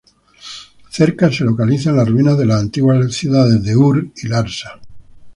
Cerca se localizan las ruinas de las antiguas ciudades de Ur y Larsa.